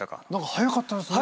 速かったですね。